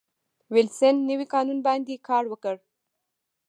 وېلسن نوي قانون باندې کار وکړ.